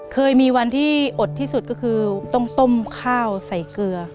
เคยมีวันที่อดที่สุดก็คือต้องต้มข้าวใส่เกลือ